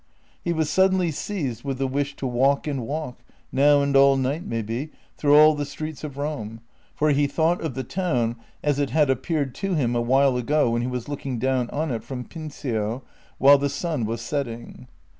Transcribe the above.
He was suddenly seized with the wish to walk and walk — now and all night maybe — through all the streets of Rome, for he thought of the town as it had appeared to him a while ago when he was looking down on it from Pincio, while the sun was setting.